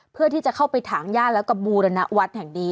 เพื่อที่จะเข้าไปถางย่าแล้วก็บูรณวัฒน์แห่งนี้